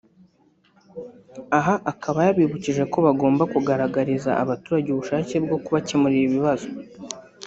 aha akaba yabibukije ko bagomba kugaragariza abaturage ubushake bwo kubakemurira ibibazo